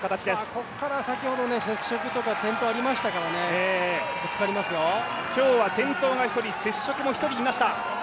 ここから先ほど接触とか転倒ありましたからね今日は転倒が１人接触も１人いました。